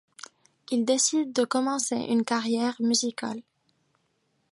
Il décide de commencer une carrière musicale.